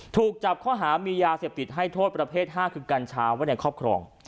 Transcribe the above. ถูกจับข้อหามียาเสพติดให้โทษประเภท๕คือกัญชาไว้ในครอบครอง